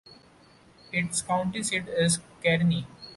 Its county seat is Kearney.